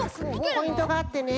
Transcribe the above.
ポイントがあってね